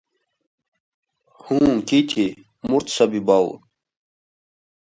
Так теперь когда же бал, Кити?